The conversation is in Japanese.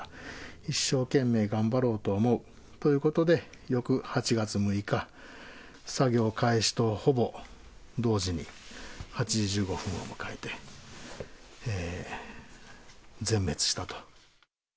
一生懸命頑張ろうと思うということで、翌８月６日、作業開始とほぼ同時に、８時１５分を迎えて、全滅したと。